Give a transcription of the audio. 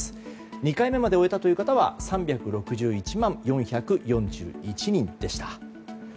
２回目まで終えた方は３６１万４４１人でした。